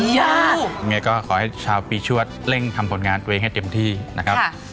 อย่างไรก็ขอให้ชาวปีชฌวจเร่งทำผลงานไว้ให้เต็มที่นะครับ